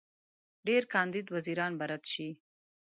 ډېر کاندید وزیران به رد شي.